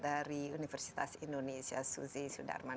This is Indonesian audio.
dari universitas indonesia suzy sudarman